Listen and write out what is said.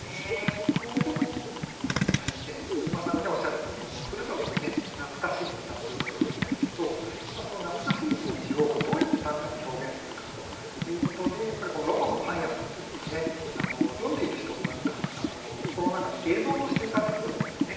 小島さんがおっしゃるとおりふるさとを懐かしむ歌ということなんですけどその懐かしい気持ちをどうやって短歌に表現するかということでロバのパン屋さんというのが読んでいる人の心の中に映像として浮かんでくるんですよね。